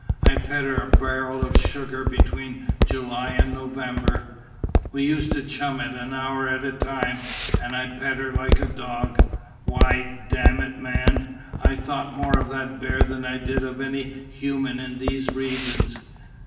I fed her a barrel of sugar between July and November. We used to chum it an hour at a time, and I'd pet her like a dog. Why, damn it, man, I thought more of that bear than I did of any human in these regions!